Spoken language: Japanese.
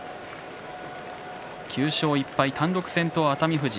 ９勝１敗、単独先頭、熱海富士。